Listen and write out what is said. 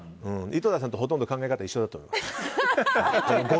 井戸田さんとほとんど考え方は一緒だと思います。